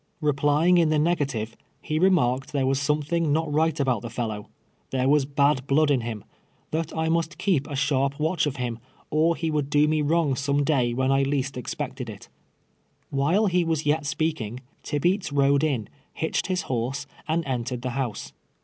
Keplying in the negative, he remarked there was something not right about the fellow —■ there was bad blood in him — tluit I must keep a sharp watch of him, or he would do me wrong some day when I least expected it. AVhile he was yet speaking, Tibeats rode in, hitched his horse, and entered the house.